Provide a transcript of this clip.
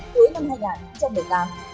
cuối năm hai nghìn một mươi tám